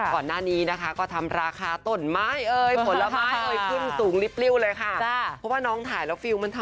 ก่อนหน้านี้ก็ค่อยทำราคาตนไม้